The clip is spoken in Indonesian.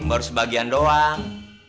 baru sebagian doang